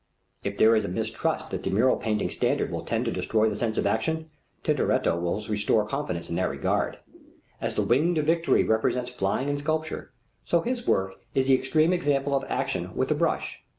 If there is a mistrust that the mural painting standard will tend to destroy the sense of action, Tintoretto will restore confidence in that regard. As the Winged Victory represents flying in sculpture, so his work is the extreme example of action with the brush.